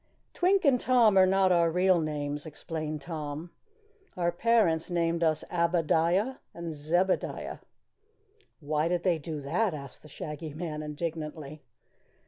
"Twink and Tom are not our real names," explained Tom. "Our parents named us Abbadiah and Zebbidiah." "Why did they do that?" asked the Shaggy Man indignantly.